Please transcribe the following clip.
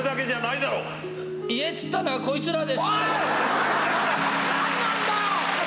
言えって言ったのはこいつらです。